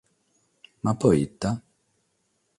Ma pro ite?